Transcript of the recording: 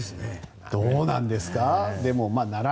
どうなんですか？